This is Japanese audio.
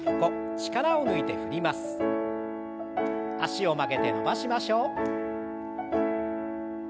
脚を曲げて伸ばしましょう。